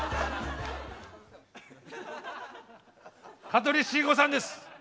香取慎吾さんです。